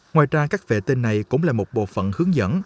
ngoài ra các vệ tinh này cũng là một bộ phận hướng dẫn